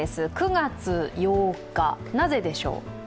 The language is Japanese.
９月８日、なぜでしょう？